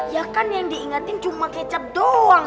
ya kan yang diingatin cuma kecap doang